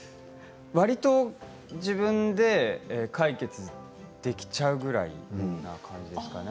わりと自分で解決できちゃうぐらいな感じですかね。